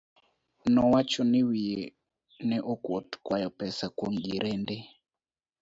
Nowacho ni wiye ne kuot kwayo pesa kuom jirende